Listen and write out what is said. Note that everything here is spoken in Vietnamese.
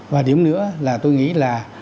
và điểm nữa là tôi nghĩ là